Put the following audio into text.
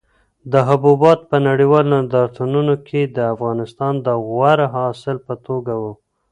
دا حبوبات په نړیوالو نندارتونونو کې د افغانستان د غوره حاصل په توګه وو.